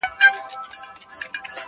بیا یې د ایپي د مورچلونو ډېوې بلي کړې-